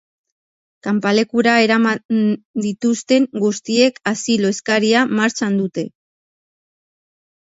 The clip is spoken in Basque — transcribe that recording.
Kanpalekura eraman dituzten guztiek asilo eskaria martxan dute.